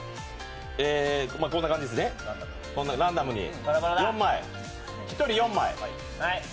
こんな感じですね、ランダムに、１人４枚。